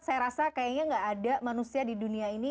saya rasa kayaknya nggak ada manusia di dunia ini